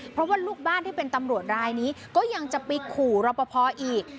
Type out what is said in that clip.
เพราะว่าลูกบ้านที่เป็นตำรวจรายนี้ก็ยังจะไปขู่รอปภอีก